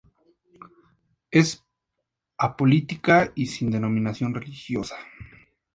Es apolítica y sin denominación religiosa.